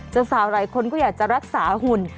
เจ้าสาวหลายคนก็อยากจะรักษาหุ่น